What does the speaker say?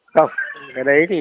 không cái đấy thì